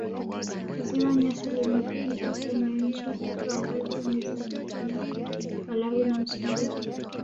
ziwa nyasa limepita kwenye nchi tatu ambazo ni tanzania malawi na msumbiji